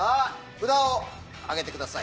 札を挙げてください。